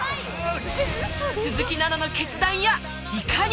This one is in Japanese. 鈴木奈々の決断やいかに？